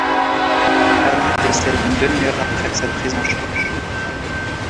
Ali décède une demi-heure après sa prise en charge.